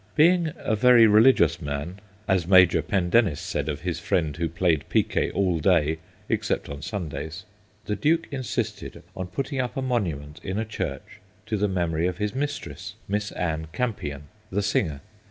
Being a very religious man as Major Pendennis said of his friend who played piquet all day except on Sundays the Duke insisted on putting up a monument in a church to the memory of his mistress, Miss Anne Campion, the singer.